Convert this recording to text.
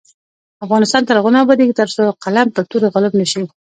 افغانستان تر هغو نه ابادیږي، ترڅو قلم پر تورې غالب نشي.